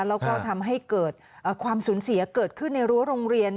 แล้วก็ทำให้เกิดความสูญเสียเกิดขึ้นในรั้วโรงเรียน